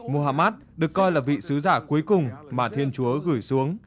mohammad được coi là vị sứ giả cuối cùng mà thiên chúa gửi xuống